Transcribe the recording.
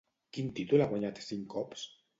Quin títol ha guanyat cinc cops?